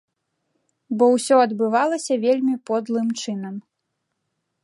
Бо ўсё адбывалася вельмі подлым чынам.